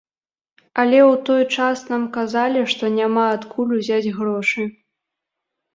Але ў той час нам казалі, што няма адкуль узяць грошы.